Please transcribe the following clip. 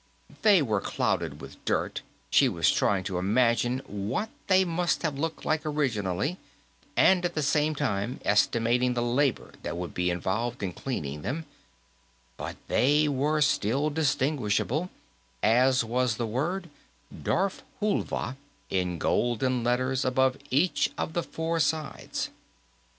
They were clouded with dirt she was trying to imagine what they must have looked like originally, and at the same time estimating the labor that would be involved in cleaning them but they were still distinguishable, as was the word, Darfhulva, in golden letters above each of the four sides.